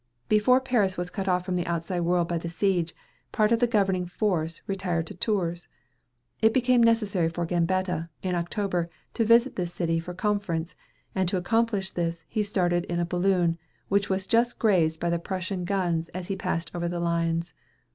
Before Paris was cut off from the outside world by the siege, part of the governing force retired to Tours. It became necessary for Gambetta, in October, to visit this city for conference, and to accomplish this he started in a balloon, which was just grazed by the Prussian guns as he passed over the lines.